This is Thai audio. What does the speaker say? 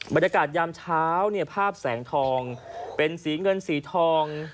ยามเช้าเนี่ยภาพแสงทองเป็นสีเงินสีทอง